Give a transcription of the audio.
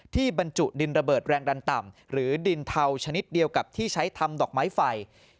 บรรจุดินระเบิดแรงดันต่ำหรือดินเทาชนิดเดียวกับที่ใช้ทำดอกไม้ไฟ